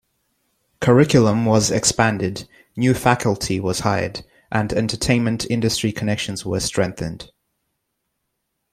Curriculum was expanded, new faculty was hired, and entertainment industry connections were strengthened.